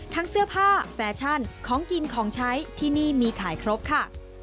เสื้อผ้าแฟชั่นของกินของใช้ที่นี่มีขายครบค่ะ